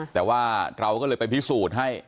แต่ว่าเราก็เลยไปพิสูจน์ให้